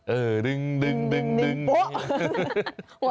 เออดึงโป๊ะ